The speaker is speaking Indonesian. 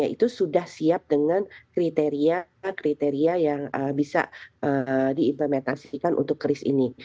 itu sudah siap dengan kriteria kriteria yang bisa diimplementasikan untuk kris ini